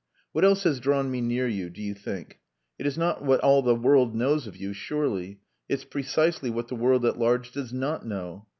What else has drawn me near you, do you think? It is not what all the world knows of you, surely. It's precisely what the world at large does not know.